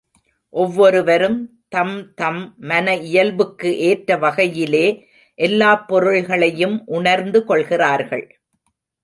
ஒவ்வொருவரும் தம் தம் மன இயல்புக்கு ஏற்ற வகையிலே எல்லாப் பொருள்களையும் உணர்ந்து கொள்கிறார்கள்.